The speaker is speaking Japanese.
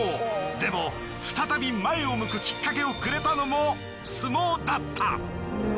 でも再び前を向くきっかけをくれたのも相撲だった。